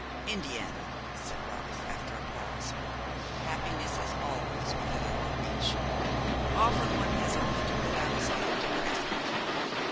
"Indiana," said Ralph, after a pause, "happiness is always within our reach. Often one has only to put out his hand to grasp it.